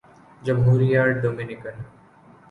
جمہوریہ ڈومینیکن